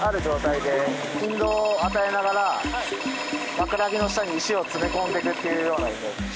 枕木の下に石を詰め込んでいくっていうようなイメージです。